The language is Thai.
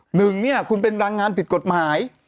หนึ่งคุณเป็นรางงานผิดกฎหมาย